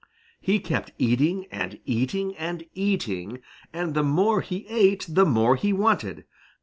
He kept eating and eating and eating, and the more he ate the more he wanted.